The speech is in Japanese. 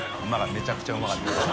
めちゃくちゃうまかったですよ。